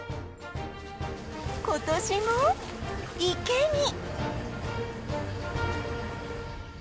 今年も池に！